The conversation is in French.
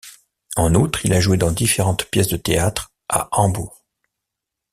En outre, il a joué dans différentes pièces de théâtres à Hambourg.